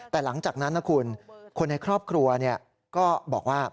แต่หลังจากนั้นนะคุณคนในครอบครัวก็บอกว่า